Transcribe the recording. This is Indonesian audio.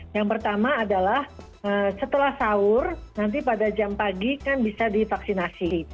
yang pertama adalah setelah sahur nanti pada jam pagi kan bisa divaksinasi